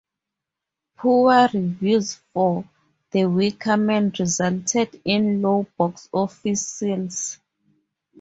Poor reviews for "The Wicker Man" resulted in low box office sales.